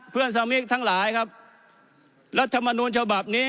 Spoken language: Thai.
เพื่อนสมาชิกทั้งหลายครับรัฐมนูลฉบับนี้